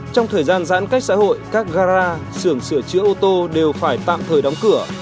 trong thời gian giãn cách xã hội các gara sường sửa chữa ô tô đều phải tạm thời đóng cửa